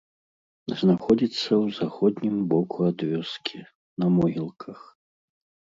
Знаходзіцца ў заходнім боку ад вёскі, на могілках.